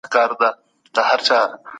افغان پاسپورټ اعتبار درلود.